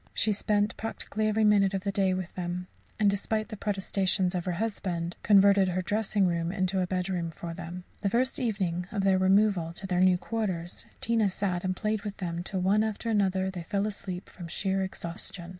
She spent practically every minute of the day with them; and, despite the protestations of her husband, converted her dressing room into a bedroom for them. The first evening of their removal to their new quarters, Tina sat and played with them till one after another they fell asleep from sheer exhaustion.